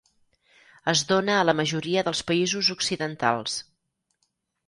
Es dóna a la majoria dels països occidentals.